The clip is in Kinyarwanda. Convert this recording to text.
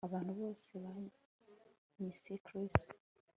Abantu bose banyise Chris